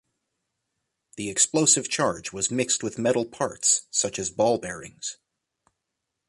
The explosive charge was mixed with metal parts such as ball bearings.